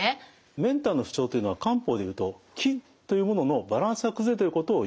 メンタルの不調というのは漢方でいうと「気」というもののバランスが崩れてることをいうんですね。